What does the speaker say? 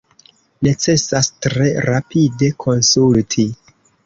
Necesas tre rapide konsulti.